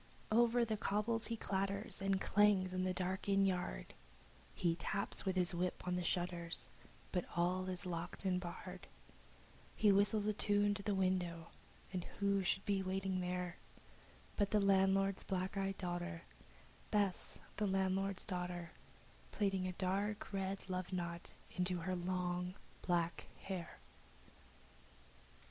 Over the cobbles he clatters and clangs in the dark inn yard, He taps with his whip on the shutters, but all is locked and barred, He whistles a tune to the window, and who should be waiting there But the landlord's black eyed daughter Bess, the landlord's daughter Plaiting a dark red love knot into her long black hair.